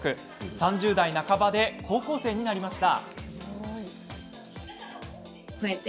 ３０代半ばで高校生になりました。